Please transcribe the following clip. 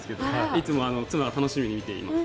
いつも妻が楽しみに見ています。